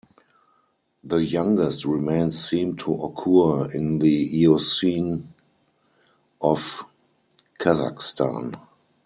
The youngest remains seem to occur in the Eocene of Kazakhstan.